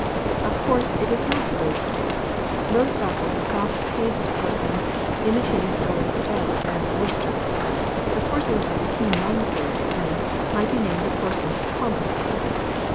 Of course it is not Lowestoft. Lowestoft was a soft paste porcelain imitating early Bow and Worcester. The porcelain of the Keen lung period, then, might be named the porcelain of commerce.